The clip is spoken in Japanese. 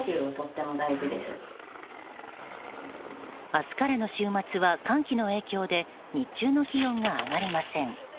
明日からの週末は寒気の影響で日中の気温が上がりません。